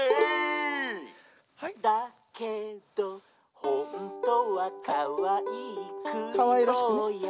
「だけどほんとはかわいいくりぼうや」